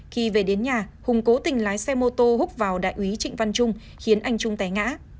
khi về đến nhà hùng cố tình lái xe mô tô hút vào đại úy trịnh văn trung khiến anh trung té ngã